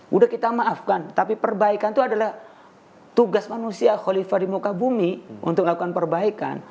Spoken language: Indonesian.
sudah kita maafkan tapi perbaikan itu adalah tugas manusia khalifah di muka bumi untuk melakukan perbaikan